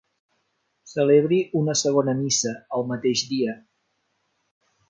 Celebri una segona missa el mateix dia.